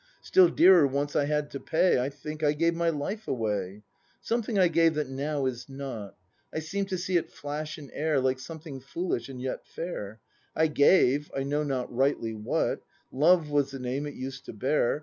Still dearer once I had to pay, — I think I gave my life away. Something I gave that now is not; — I seem to see it flash in air Like something foolish and yet fair; I gave — I know not rightly what; — "Love" was the name it used to bear.